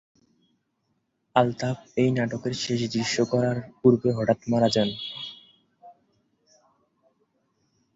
আলতাফ এই নাটকের শেষ দৃশ্য করার পূর্বে হঠাৎ মারা যান।